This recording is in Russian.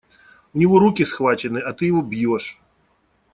У него руки схвачены, а ты его бьешь.